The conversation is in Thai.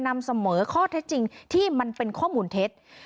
นำเสนอข้อเท็จจริงที่มันเป็นข้อมูลเท็จ